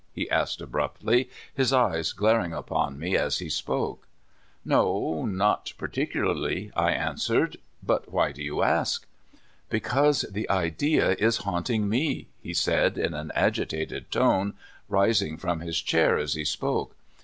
" he asked abruptly, his eyes glaring upon me as he spoke. " No, not particularly," I answered; '' but w^hy do you ask? "" Because the idea is haunting me^'' he said in an agitated tone, rising from his chair as he spoke.